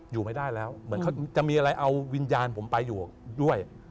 อยู่ไม่ได้แล้วเหมือนเขาจะมีอะไรเอาวิญญาณผมไปอยู่ด้วย